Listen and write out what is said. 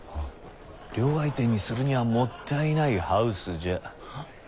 両替店にするにゃもったいないハウスじゃ！